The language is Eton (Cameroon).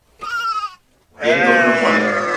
Yen dom le moní.